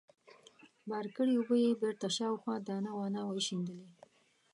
بار کړې اوبه يې بېرته شاوخوا دانه وانه وشيندلې.